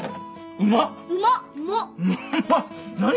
うまっ。